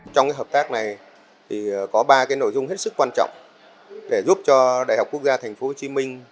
trong hợp tác này có ba nội dung hết sức quan trọng để giúp cho đại học quốc gia tp hcm